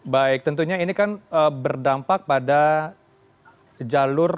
baik tentunya ini kan berdampak pada jalur